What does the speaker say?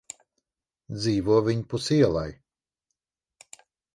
Dzīvo viņpus ielai.